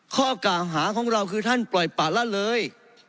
ข้อกล่าวหาของเราคือท่านปล่อยปะละเลย